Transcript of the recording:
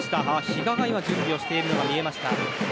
比嘉が準備をしているのが見えました。